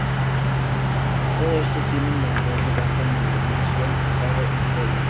Todo esto tiene un medidor que baja mientras más sean usado en juego.